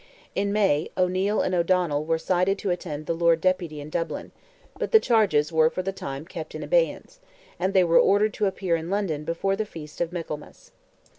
In May, O'Neil and O'Donnell were cited to attend the Lord Deputy in Dublin, but the charges were for the time kept in abeyance, and they were ordered to appear in London before the feast of Michaelmas.